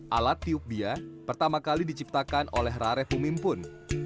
alat tiup dia pertama kali diciptakan oleh rare pumimpun